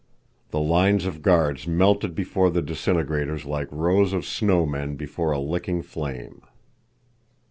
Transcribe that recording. The lines of guards melted before the disintegrators like rows of snow men before a licking flame.